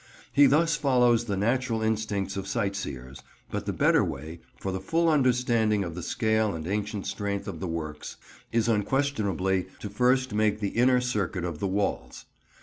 He thus follows the natural instincts of sightseers, but the better way, for the full understanding of the scale and ancient strength of the works, is unquestionably to first make the inner circuit of the walls.